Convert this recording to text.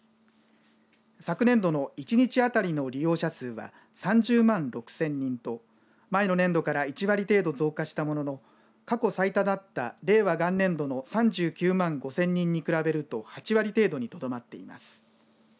昨年度の１日あたりの利用者数は３０万６０００人と前の年度から１割程度増加したものの過去最多だった令和元年度の３９万５０００人に比べると８割程度にとどまっています。